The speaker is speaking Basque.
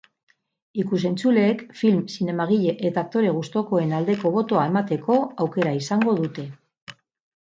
Ikus-entzuleek film, zinemagile eta aktore gustukoenen aldeko botoa emateko aukera izango dute.